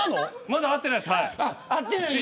まだ会ってないです。